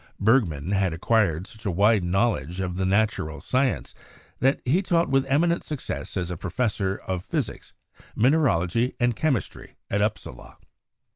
Bergman had acquired such a wide knowledge of the natural sciences that he taught with eminent success as professor of physics, min eralogy and chemistry at Upsala.